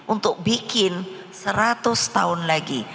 untuk bikin seratus tahun lagi